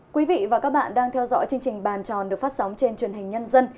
quý vị và các bạn đang theo dõi chương trình bàn tròn được phát sóng trên truyền hình nhân dân